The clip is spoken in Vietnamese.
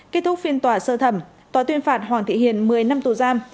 kết thúc phiên tòa sơ thẩm tòa tuyên phạt hoàng thị hiền một mươi năm tù giam